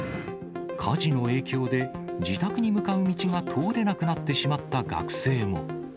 火事の影響で、自宅に向かう道が通れなくなってしまった学生も。